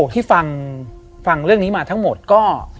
ที่ฟังเรื่องนี้มาทั้งหมดก็